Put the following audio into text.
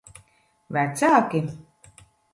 Vecāki?